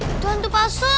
itu hantu palsu